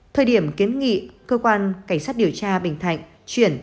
thời điểm kiến nghị cơ quan cảnh sát điều tra bình thạnh chuyển